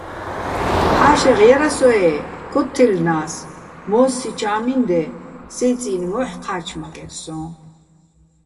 ჰ̦ა́შეღ ჲარასოე́, ქოთთაჲლნა́ს, მო́სსიჩო̆ ა́მინდე სეჲ წი́ნი̆ მო́ჰ̦ ჴა́ჩმაკერ სო́ჼ.